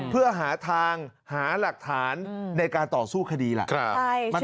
เพื่อหาทางหาหลักฐานในการต่อสู้คดีล่ะ